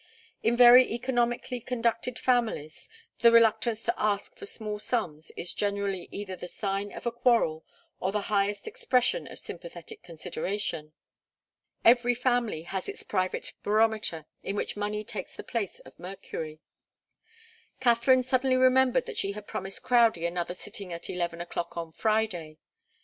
In very economically conducted families the reluctance to ask for small sums is generally either the sign of a quarrel or the highest expression of sympathetic consideration. Every family has its private barometer in which money takes the place of mercury. Katharine suddenly remembered that she had promised Crowdie another sitting at eleven o'clock on Friday.